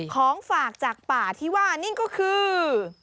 ของฝากจากป่าที่ว่านี่ก็คือ